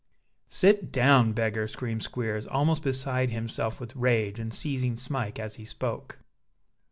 "Sit down, beggar!" screamed Squeers, almost beside himself with rage, and seizing Smike as he spoke.